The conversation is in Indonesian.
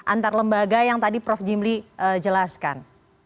antar lembaga yang tadi prof jimli jelaskan